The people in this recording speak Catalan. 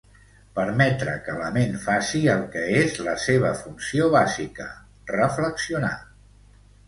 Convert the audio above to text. Permetre que la ment faci el que és la seva funció bàsica, reflexionar.